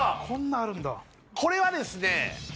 こんなんあるんだこれはですね